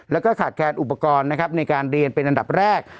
แล้วก็ขาดแคลนอุปกรณ์นะครับในการเรียนเป็นอันดับแรก